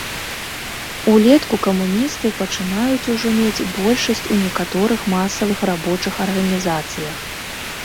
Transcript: Улетку камуністы пачынаюць ужо мець большасць у некаторых масавых рабочых арганізацыях.